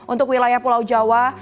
untuk wilayah pulau jawa